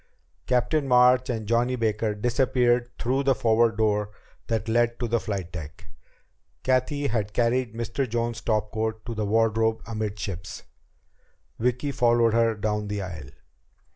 Captain March and Johnny Baker disappeared through the forward door that led to the flight deck. Cathy had carried Mr. Jones's topcoat to the wardrobe amidships. Vicki followed her down the aisle.